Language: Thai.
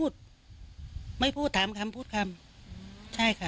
คู๋ไหวไม่พูดไม่พูดถามคำพูดคำใช่ค่ะ